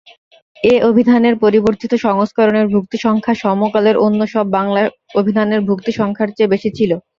এ অভিধানের পরিবর্ধিত সংস্করণের ভুক্তিসংখ্যা সমকালের অন্য সব বাংলা অভিধানের ভুক্তিসংখ্যার চেয়ে বেশি ছিল।